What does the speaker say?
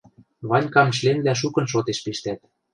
Ванькам членвлӓ шукын шотеш пиштӓт...